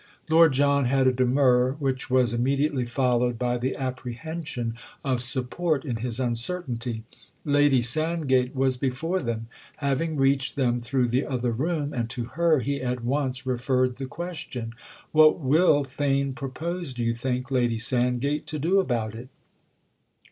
Lord John had a demur, which was immediately followed by the apprehension of support in his uncertainty. Lady Sandgate was before them, having reached them through the other room, and to her he at once referred the question. "What will Theign propose, do you think, Lady Sandgate, to do about it?"